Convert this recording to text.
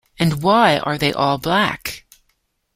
And why are they all black?